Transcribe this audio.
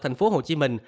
thành phố hồ chí minh